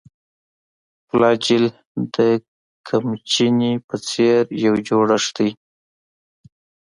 فلاجیل د قمچینې په څېر یو جوړښت دی.